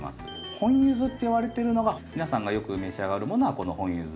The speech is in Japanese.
本ユズって呼ばれてるのが皆さんがよく召し上がるものはこの本ユズです。